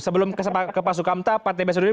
sebelum ke pak sukamta pak tbi saduri